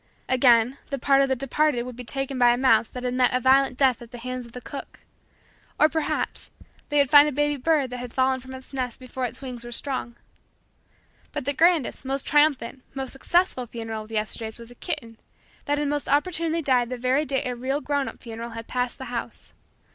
Again, the part of the departed would be taken by a mouse that had met a violent death at the hands of the cook; or, perhaps, they would find a baby bird that had fallen from its nest before its wings were strong. But the grandest, most triumphant, most successful funeral of the Yesterdays was a kitten that had most opportunely died the very day a real grown up funeral had passed the house.